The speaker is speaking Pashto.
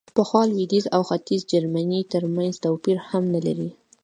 پخوا لوېدیځ او ختیځ جرمني ترمنځ توپیر هم نه لري.